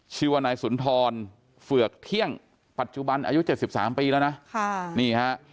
ชีวนายสุนทรเฝือกเที่ยงปัจจุบันอายุ๗๓ปีแล้วนะ